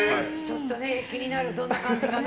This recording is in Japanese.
気になる、どんな感じかね。